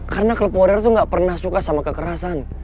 karena kelab warrior tuh gak pernah suka sama kekerasan